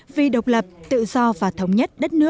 vì độc lập tự do và thống nhất